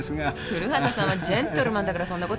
古畑さんはジェントルマンだからそんなことは言わない。